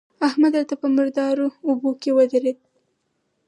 احمد راته په مردارو اوبو کې ودرېد.